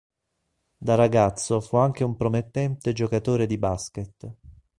Da ragazzo fu anche un promettente giocatore di basket.